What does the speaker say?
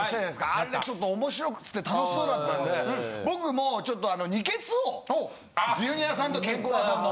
あれちょっと面白くて楽しそうだったんで僕もちょっと『にけつッ！！』をジュニアさんとケンコバさんの。